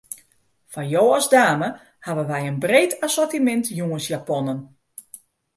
Foar jo as dame hawwe wy in breed assortimint jûnsjaponnen.